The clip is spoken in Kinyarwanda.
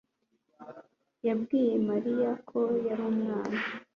yabwiye Mariya ko yari umwana.